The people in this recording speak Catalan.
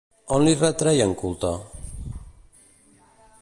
On li retrien culte?